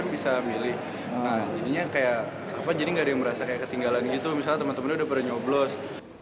nah jadinya kayak apa jadi nggak ada yang merasa ketinggalan gitu misalnya teman temannya udah pernah nyoblos